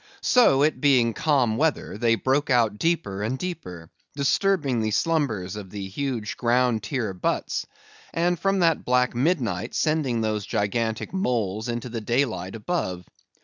So, it being calm weather, they broke out deeper and deeper, disturbing the slumbers of the huge ground tier butts; and from that black midnight sending those gigantic moles into the daylight above.